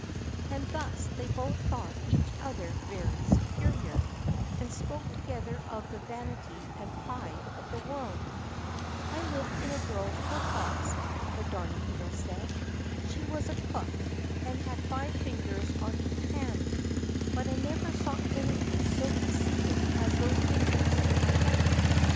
And thus they both thought each other very superior, and spoke together of the vanity and pride of the world. "I lived in a girl's work box," the Darning needle said. "She was a cook, and had five fingers on each hand; but I never saw anything so conceited as those fingers in my life!